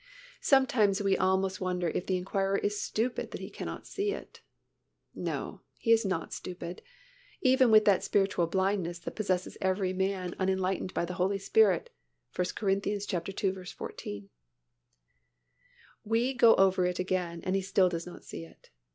Sometimes we almost wonder if the inquirer is stupid that he cannot see it. No, he is not stupid, except with that spiritual blindness that possesses every mind unenlightened by the Holy Spirit (1 Cor. ii. 14). We go over it again and still he does not see it.